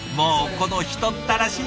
この人ったらし！